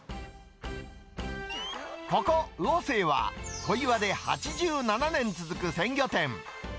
ここ、魚清は、小岩で８７年続く鮮魚店。